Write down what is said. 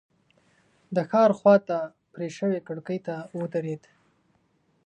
د ښار خواته پرې شوې کړکۍ ته ودرېد.